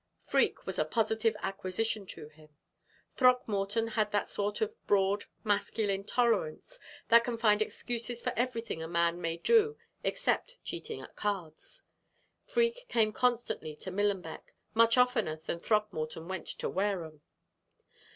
Freke was a positive acquisition to him. Throckmorton had that sort of broad, masculine tolerance that can find excuses for everything a man may do except cheating at cards. Freke came constantly to Millenbeck, much oftener than Throckmorton went to Wareham.